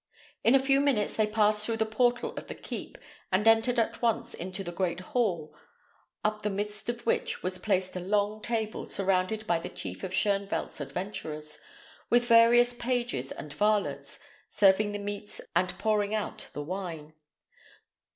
In a few minutes they passed through the portal of the keep, and entered at once into the great hall, up the midst of which was placed a long table, surrounded by the chief of Shoenvelt's adventurers, with various pages and varlets, serving the meats and pouring out the wine.